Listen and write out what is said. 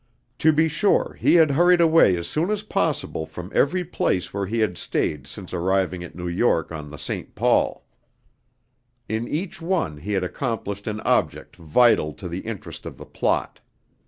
To be sure he had hurried away as soon as possible from every place where he had stayed since arriving at New York on the St. Paul. In each one he had accomplished an object vital to the interest of the plot.